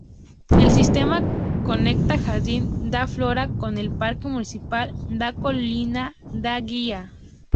El sistema conecta Jardim da Flora con el Parque Municipal da Colina da Guia.